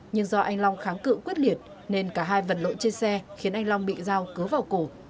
nhưng do anh long kháng cự quyết liệt nên cả hai vật lộn trên xe khiến anh long bị dao cớ vào cổ